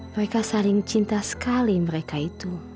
mereka saling cinta sekali mereka itu